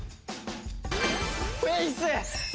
フェイス。